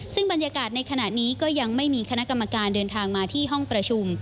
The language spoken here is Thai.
ซึ่งบรรยากาศในขณะนี้ก็ยังไม่มีคณะกรรมการเดินทางมาที่ห้องประชุม